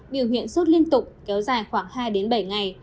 biểu hiện sốt liên tục kéo dài khoảng hai đến bảy ngày